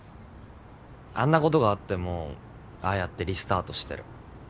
あんなことがあってもああやってリスタートしてる。